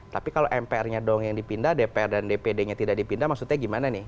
tapi kalau mpr nya dong yang dipindah dpr dan dpd nya tidak dipindah maksudnya gimana nih